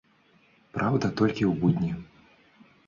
Праўда, толькі ў будні.